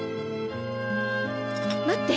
待って！